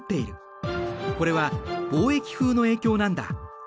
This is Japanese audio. これは貿易風の影響なんだ。